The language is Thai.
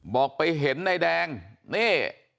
บอกไปเห็นนายแดงนี่